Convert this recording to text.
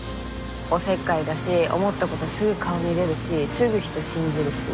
おせっかいだし思った事すぐ顔に出るしすぐ人信じるし。